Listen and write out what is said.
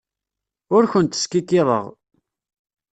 Ur kent-skikkiḍeɣ.